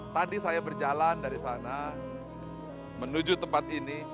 tadi saya berjalan dari sana menuju tempat ini